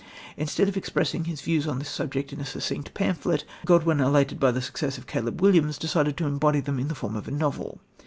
Instead of expressing his views on this subject in a succinct pamphlet, Godwin, elated by the success of Caleb Williams, decided to embody them in the form of a novel.